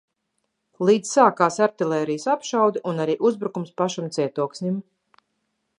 Līdz sākās artilērijas apšaude un arī uzbrukums pašam cietoksnim.